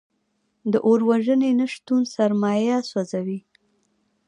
د اور وژنې نشتون سرمایه سوځوي.